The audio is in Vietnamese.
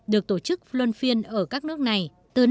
được tổ chức luân phiên ở các nước này